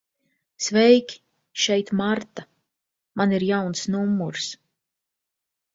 Sveiki, šeit Marta. Man ir jauns numurs.